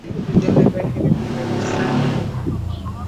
Vidole vyake ni virefu sana